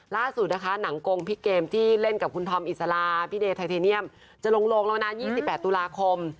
ล่าสุดนะคะหนังกงพี่เกมที่เล่นกับคุณธอมอิสลาพี่เดย์ไทเทเนียมจะลงแล้วนะ๒๘ตุลาคม